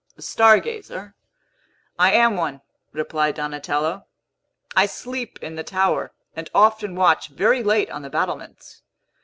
"A star gazer? I am one," replied Donatello. "I sleep in the tower, and often watch very late on the battlements.